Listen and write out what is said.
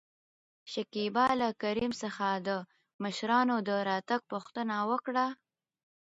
شکيبا له کريم څخه د مشرانو د راتګ پوښتنه وکړه.